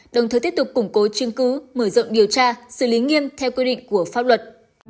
đồng thời tiếp tục củng cố chứng cứ mở rộng điều tra xử lý nghiêm theo quy định của pháp luật